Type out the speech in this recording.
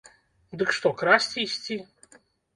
Дык што, красці ісці?